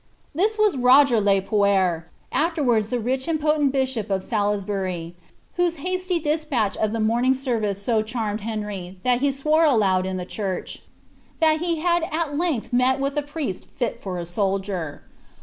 This was Roger le Poer,' afterwards the rich and potent bishop c^ Salisbury, whose hasty despatch of the morning service so charmed Henry, that he swore aloud in the church, ^ that he had at length met with a priest fit for a soldier."